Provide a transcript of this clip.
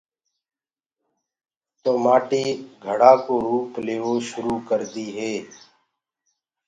تو مآٽي گھڙآ ڪو روُپ ليوو شُرو هوجآندي هي۔